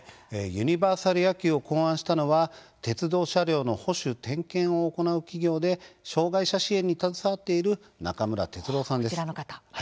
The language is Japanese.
ユニバーサル野球を考案したのは鉄道車両の保守・点検を行う企業で障害者支援に携わっている中村哲郎さんです。